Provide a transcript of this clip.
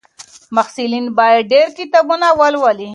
محصلین باید ډېر کتابونه ولولي.